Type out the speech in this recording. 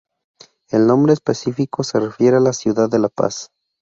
El nombre específico se refiere a la ciudad de La Paz.